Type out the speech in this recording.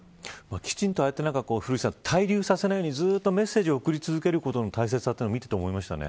きちんとああやって滞留させないようにメッセージを送り続けることの大切さを見ていて思いましたね。